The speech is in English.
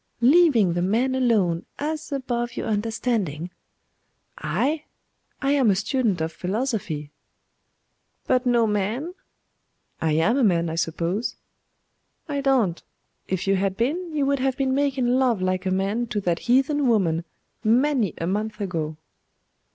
leaving the man alone, as above your understanding.' 'I? I am a student of philosophy.' 'But no man?' 'I am a man, I suppose.' 'I don't; if you had been, you would have been making love like a man to that heathen woman many a month ago.